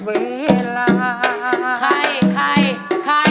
เพื่อจะไปชิงรางวัลเงินล้าน